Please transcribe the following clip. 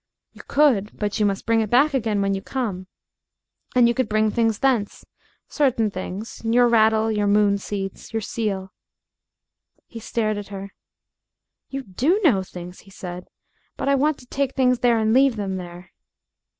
"You could, but you must bring it back when you come again. And you could bring things thence. Certain things: your rattle, your moon seeds, your seal." He stared at her. "You do know things," he said; "but I want to take things there and leave them there."